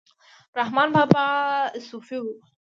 رحمان بابا صوفي و